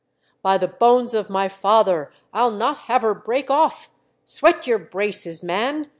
*' By the bones of my father, I'll not have her break off! Sweat your braces, man